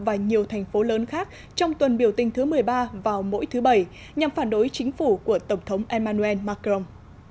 và nhiều thành phố lớn khác trong tuần biểu tình thứ một mươi ba vào mỗi thứ bảy nhằm phản đối chính phủ của tổng thống emmanuel macron